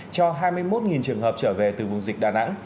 cho hai mươi một trường hợp trở về từ vùng dịch đà nẵng